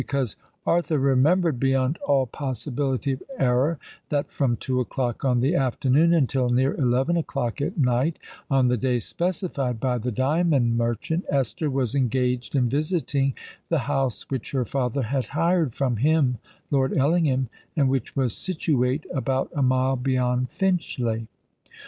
Because Arthur remembered, beyond all possibility of error, that from two o'clock on the afternoon until near eleven o'clock at night, on the day specified by the diamond merchant, Esther was engaged in visiting the house which her father had hired from him (Lord Ellingham), and which was situate about a mile beyond Finchley.